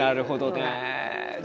なるほどね。